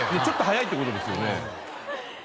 ちょっと早いって事ですよね。